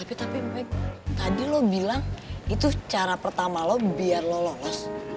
eh tapi meg tadi lo bilang itu cara pertama lo biar lo lolos